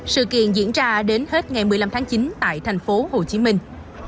sự kiện diễn ra đến hết ngày một mươi năm tháng chín tại thành phố hồ chí minh